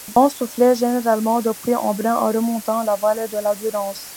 Le vent souffle généralement depuis Embrun en remontant la vallée de la Durance.